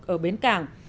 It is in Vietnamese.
ở bến cảng